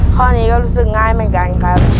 ข้อนี้ก็รู้สึกง่ายเหมือนกันครับ